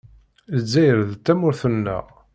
Lezzayer d tamurt-nneɣ.